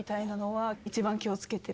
はい。